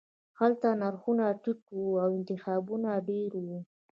هلته نرخونه ټیټ وو او انتخابونه ډیر وو